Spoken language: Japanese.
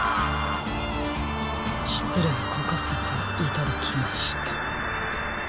しつれいこかせていただきました。